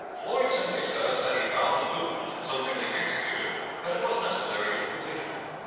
Floyd simply says that he found the movement so nearly executed that it was necessary to complete it.